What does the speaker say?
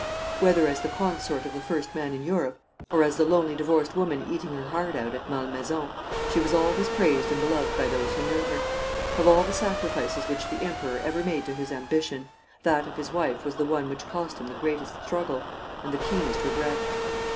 Whether as the consort of the first man in Europe, or as the lonely divorced woman eating her heart out at Malmaison, she was always praised and beloved by those who knew her. Of all the sacrifices which the Emperor ever made to his ambition that of his wife was the one which cost him the greatest struggle and the keenest regret.